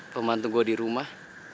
pemantu gue di rumah